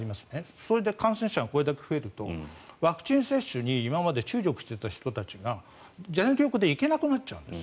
それで感染者がこれだけ増えるとワクチン接種に今まで注力してきた人が全力で行けなくなっちゃうんです。